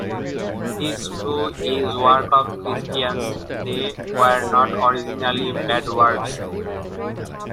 This too is work of Christians, they weren't originally bad words.